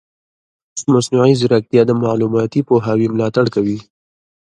مصنوعي ځیرکتیا د معلوماتي پوهاوي ملاتړ کوي.